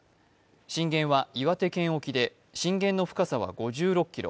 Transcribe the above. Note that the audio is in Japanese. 震源は岩手県沖で震源の深さは５６ｋｍ。